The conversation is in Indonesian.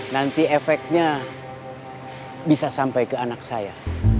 nanti efeknya bisa sampai ke anak saya